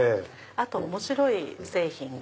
あと面白い製品が。